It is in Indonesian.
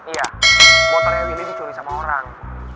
iya motornya ini dicuri sama orang